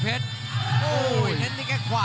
กรรมการเตือนทั้งคู่ครับ๖๖กิโลกรัม